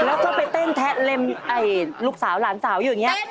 แล้วก็ไปเต้นแทะเล็มลูกสาวหลานสาวอยู่อย่างนี้